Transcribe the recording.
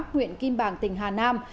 huyện kim bàng tỉnh hà nam